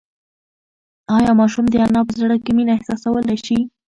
ایا ماشوم د انا په زړه کې مینه احساسولی شي؟